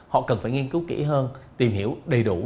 họ cần phải nghiên cứu kỹ hơn tìm hiểu đầy đủ